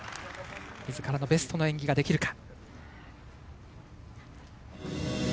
みずからのベストの演技ができるか。